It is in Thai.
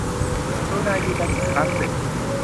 กรุณายืนยันอีกครั้งหนึ่ง